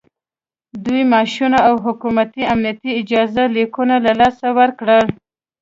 دوی معاشونه او حکومتي امنیتي اجازه لیکونه له لاسه ورکړل